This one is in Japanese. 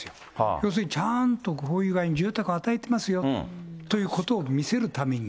要するにちゃんとこういう具合に住宅与えてますよということを見せるために。